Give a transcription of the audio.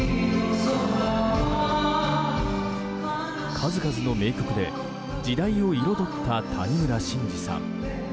数々の名曲で時代を彩った谷村新司さん。